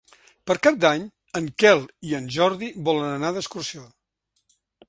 Per Cap d'Any en Quel i en Jordi volen anar d'excursió.